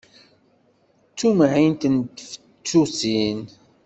D tumɛint n tfettusin!